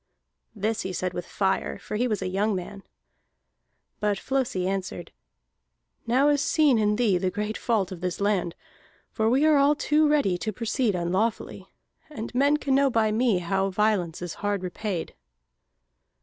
This he said with fire, for he was a young man. But Flosi answered: "Now is seen in thee the great fault of this land, for we are all too ready to proceed unlawfully. And men can know by me how violence is hard repaid."